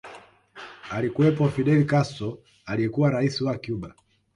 Alikuwepo Fidel Castro aliyekuwa rais wa Cuba